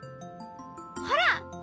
ほら。